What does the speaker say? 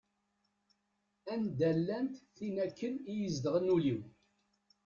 Anda-llatt tin akken i izedɣen ul-iw?